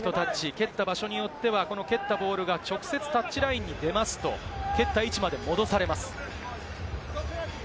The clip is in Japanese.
蹴った場所によっては、この蹴ったボールが直接、タッチラインに出ますと、蹴った位置まで戻されます。